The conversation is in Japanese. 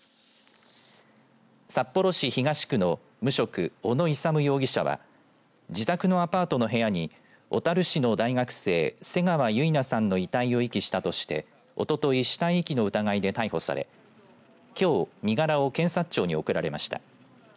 札幌市東区の無職小野勇容疑者は自宅のアパートの部屋に小樽市の大学生瀬川結菜さんの遺体を遺棄したとしておととい死体遺棄の疑いで逮捕されきょう身柄を検察庁に送られました。